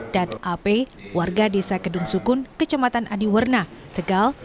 dan ap warga desa kedung sukun kecamatan adiwerna tegal